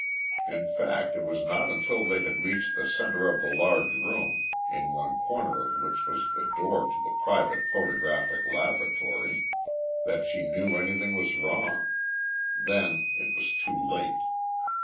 In fact, it was not until they had reached the center of the large room, in one corner of which was the door to the private photographic laboratory, that she knew anything was wrong. Then it was too late.